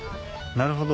なるほど。